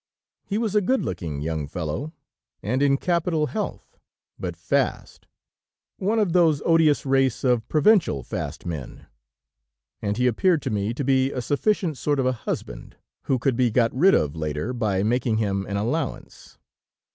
He was a good looking young fellow, and in capital health, but fast; one of those odious race of provincial fast men, and he appeared to me to be a sufficient sort of a husband, who could be got rid of later, by making him an allowance.